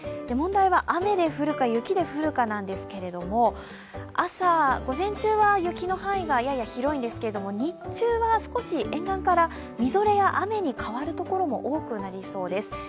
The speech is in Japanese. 問題は雨で降るか雪で降るかなんですけれども、朝、午前中は雪の範囲がやや広いんですけれども、日中は少し沿岸からみぞれや雨に変わる所も多くなりそうです。